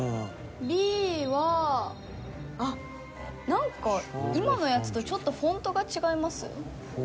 なんか今のやつとちょっとフォントが違います？